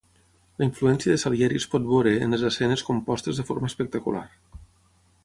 La influència de Salieri es pot veure en les escenes compostes de forma espectacular.